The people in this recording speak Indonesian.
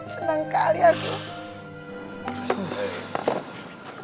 senang sekali aku